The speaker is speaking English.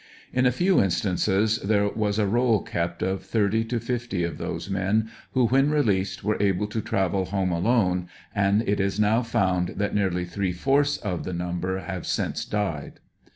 In a few instances there was a roll kept of thirty to fifty of those men who, when released, were able to travel home alone, and it is now found that nearly three fourths of the number have since died.